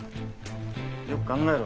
よく考えろ。